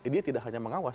dia tidak hanya mengawas